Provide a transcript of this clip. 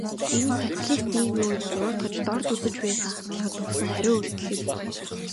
Энэ нь социалист нийгмийн үед буруутгаж, дорд үзэж байсан хандлагад өгсөн хариу үйлдэл юм.